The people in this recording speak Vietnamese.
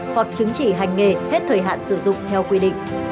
hoặc chứng chỉ hành nghề hết thời hạn sử dụng theo quy định